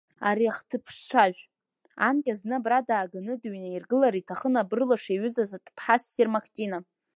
Ари ахыҭԥшшажә, анкьа зны абра дааганы дыҩнеиргылар иҭахын абырлаш иаҩызаз аҭыԥҳа ссир Мактина!